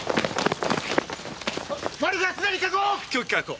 マル被はすでに確保！